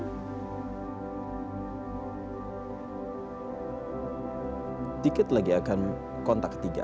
sedikit lagi akan kontak ketiga